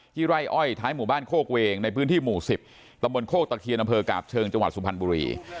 ไร่อ้อยท้ายหมู่บ้านโคกเวงในพื้นที่หมู่๑๐ตำบลโคกตะเคียนอำเภอกาบเชิงจังหวัดสุพรรณบุรี